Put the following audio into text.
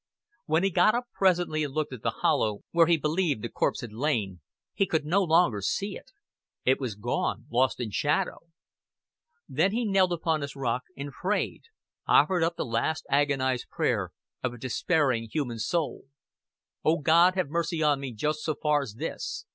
When he got up presently and looked down at the hollow where he believed the corpse had lain, he could no longer see it. It was gone, lost in shadow. Then he knelt upon his rock, and prayed offered up the last agonized prayer of a despairing human soul. "O God have mercy on me just so far's this.